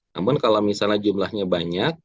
namun kalau misalnya jumlahnya banyak